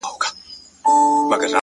• د ځنګله په پاچهي کي هر څه کېږي,,!